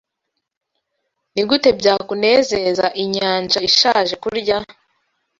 Nigute byakunezeza inyanja ishaje kurya